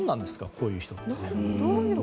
こういう人って。